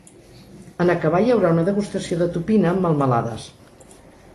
En acabar hi haurà una degustació de tupina amb melmelades.